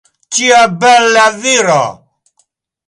Tia bela viro!